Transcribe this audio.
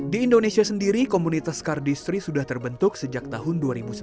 di indonesia sendiri komunitas kardistri sudah terbentuk sejak tahun dua ribu sembilan